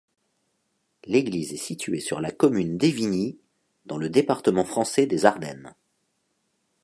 L'église est située sur la commune d'Évigny, dans le département français des Ardennes.